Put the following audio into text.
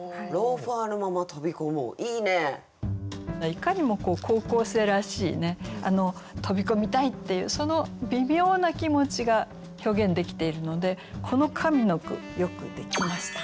いかにも高校生らしいね「飛び込みたい！」っていうその微妙な気持ちが表現できているのでこの上の句「よくできました」ですね。